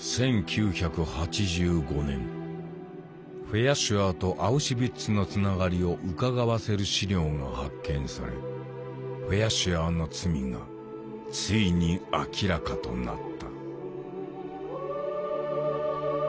フェアシュアーとアウシュビッツのつながりをうかがわせる資料が発見されフェアシュアーの罪がついに明らかとなった。